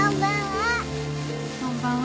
こんばんは。